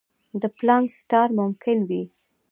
د پلانک سټار ممکن وي.